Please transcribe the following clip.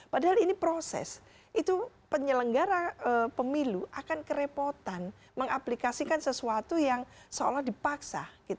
padahal ini proses itu penyelenggara pemilu akan kerepotan mengaplikasikan sesuatu yang seolah dipaksa